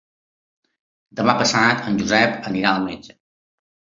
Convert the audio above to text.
Demà passat en Josep anirà al metge.